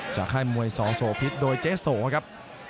จากให้มวยสระโสพิษโดยเจซ่อครับ